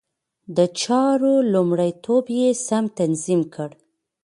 د چارو لومړيتوب يې سم تنظيم کړ.